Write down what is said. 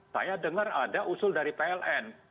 saya dengar ada usul dari pln